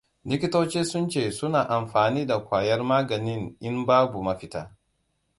Likitoci Sun ce Suna Amfani Da Kwayar maganin In “Babu Mafita”.